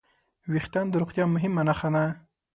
وېښتيان د روغتیا مهمه نښه ده.